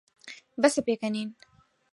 بەسە پێکەنین.